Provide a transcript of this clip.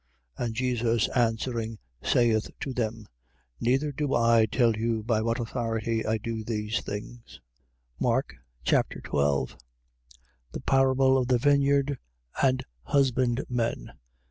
And Jesus answering, saith to them: Neither do I tell you by what authority I do these things. Mark Chapter 12 The parable of the vineyard and husbandmen.